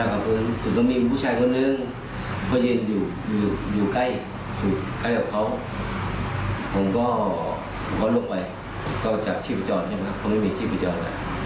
เขาลกไปเขาหาชีพจรใช่ไหมครับเขาไม่มีชีพจรเลย